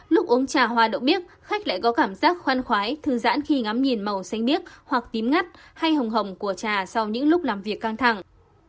lúc uống trà hoa đậu miếc khách lại có cảm giác khoan khoái thư giãn khi ngắm nhìn màu xanh biếc hoặc tím ngắt hay hồng hồng của trà sau những lúc làm việc căng thẳng